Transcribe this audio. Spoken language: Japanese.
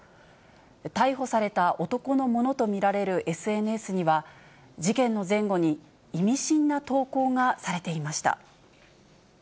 逮捕された男のものと見られるＳＮＳには、事件の前後に、意味深な投稿がされていました。